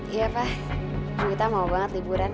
iya pak kita mau banget liburan